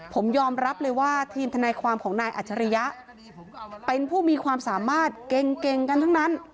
ผมยอมรับเลยว่าทีมทนายความของนายอัจฉริยะเป็นผู้มีความสามารถเก่งกันทั้งนั้น